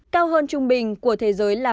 cao hơn trung bình của thế giới là một